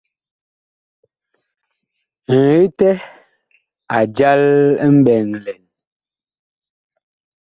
Ŋetɛ a jal mɓɛɛŋ lɛn.